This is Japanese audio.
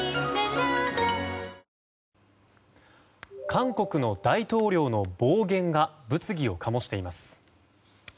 韓国の大統領の暴言が物議を醸しています。